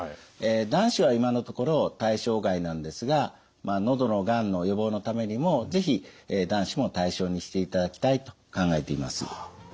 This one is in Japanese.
男子は今のところ対象外なんですが喉のがんの予防のためにも是非男子も対象にしていただきたいと考えています。